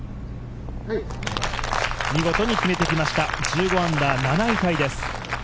見事に決めてきました、１５アンダー、７位タイです。